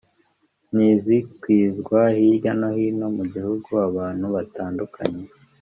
nizikwizwa hirya no hino mu gihugu abantu batandukanye